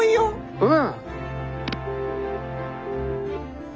うん。